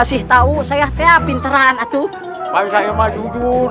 selasi selasi bangun